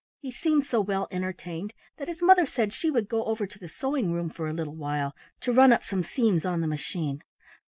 He seemed so well entertained that his mother said she would go over to the sewing room for a little while to run up some seams on the machine.